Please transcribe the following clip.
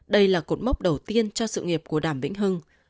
đây là cột mốc đầu tiên cho sự nghiệp của đàm vĩnh hưng